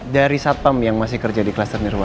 dari satpam yang masih kerja di kluster nirwa